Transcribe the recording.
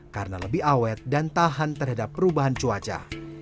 karena lebih awet dan tahan terhadap perubahan cuaca